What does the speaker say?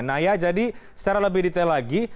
naya jadi secara lebih detail lagi